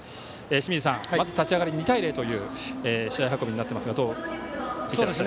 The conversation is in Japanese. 清水さん、まず立ち上がり２対０という試合運びになっていますがどう見ていきますか。